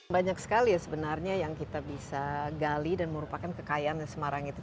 banyak sekali ya sebenarnya yang kita bisa gali dan merupakan kekayaan semarang itu